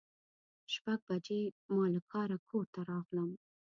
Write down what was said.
شپږ بجې ما له کاره کور ته راغلم.